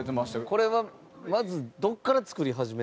これはまずどこから作り始めるの？